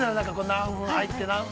何分入って。